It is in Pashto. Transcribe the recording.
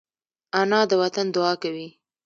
انا د وطن دعا کوي